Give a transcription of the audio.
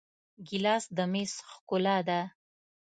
ګیلاس د میز ښکلا ده.